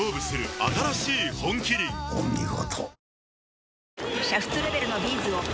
お見事。